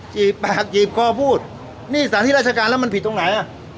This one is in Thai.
จีบปากจีบคอพูดนี่สถานที่ราชการแล้วมันผิดตรงไหนอ่ะ